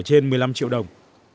trên một mươi năm triệu đồng